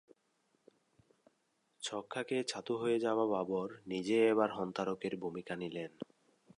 ছক্কা খেয়ে ছাতু হয়ে যাওয়া বাবর নিজেই এবার হন্তারকের ভূমিকা নিলেন।